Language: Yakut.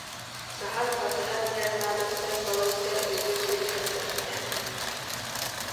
Саһан батыһан иһэр наадаттан балайда өйүө сүгэһэрдэммитэ